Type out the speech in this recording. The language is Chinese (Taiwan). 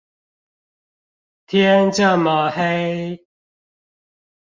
天這麼黑